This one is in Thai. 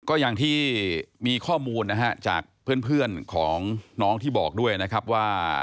ก็อย่างที่มีข้อมูลนะฮะจากเพื่อนของน้องที่บอกด้วยนะครับว่า